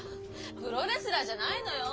プロレスラーじゃないのよ。